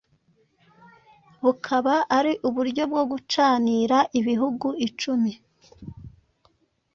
bukaba ari uburyo bwo gucanira ibihugu icumi